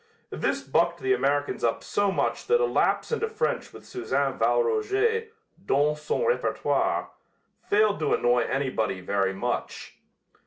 This bucked the Americans up so much that a lapse into French with Suzanne Valroger "dans son repertoire" failed to annoy anybody very much.